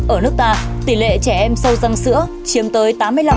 ở nước ta tỷ lệ trẻ em sâu răng sữa chiếm tới tám mươi năm